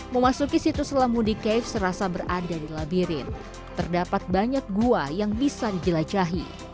memasuki situs lembuni keif serasa berada di labirin terdapat banyak gua yang bisa dijelajahi